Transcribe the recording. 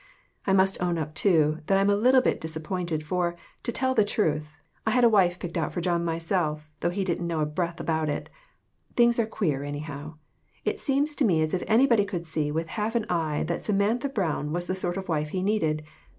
I must own up, too, that I'm a little bit disap pointed, for, to tell the honest truth, I had a wife picked out for John myself, though he didn't know a breath about it. Things are queer, any how! It seems to me as if anybody could see with half an eye that Samantha Brown was the sort of wife he needed.